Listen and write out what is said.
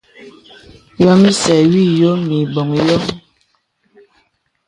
Yɔ̄m isɛ̂ wɔ ìyɔ̄ɔ̄ mə i bɔŋ yɔ̄.